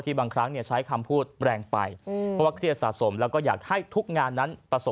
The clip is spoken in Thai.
บางครั้งใช้คำพูดแรงไปเพราะว่าเครียดสะสมแล้วก็อยากให้ทุกงานนั้นประสบ